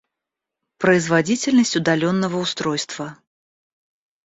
Производительность удаленного устройства